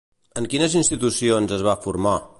En quines institucions es va formar?